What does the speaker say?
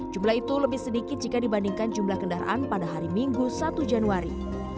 jumlah itu lebih sedikit jika dibandingkan jumlah kendaraan pada hari minggu satu januari